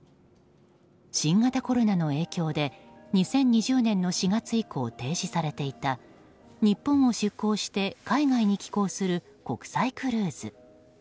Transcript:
新型コロナの影響で２０２０年の４月以降停止されていた日本を出港して海外に寄港する国際クルーズ。